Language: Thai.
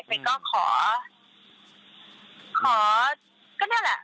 เมย์ก็ขอก็นั่นแหละ